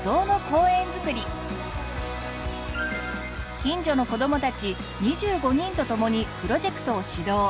近所の子供たち２５人と共にプロジェクトを始動。